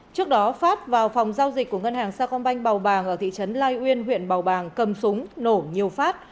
trước đó phát vào phòng giao dịch của ngân hàng sa công banh bào bàng ở thị trấn lai uyên huyện bào bàng cầm súng nổ nhiều phát